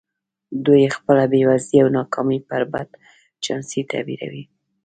دوی خپله بېوزلي او ناکامي پر بد چانسۍ تعبیروي